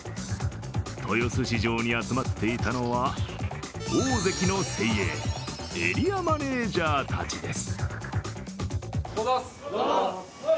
豊洲市場に集まっていたのはオオゼキの精鋭、エリアマネージャーたちです。